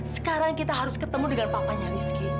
sekarang kita harus ketemu dengan papanya rizky